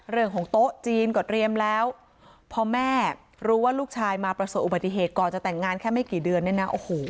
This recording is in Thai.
เรื่องของโต๊ะจีนก็เตรียมแล้วพอแม่รู้ว่าลูกชายมาประสบอุบัติเหตุก่อนจะแต่งงานแค่ไม่กี่เดือนเนี่ยนะโอ้โห